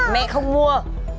mẹ không mua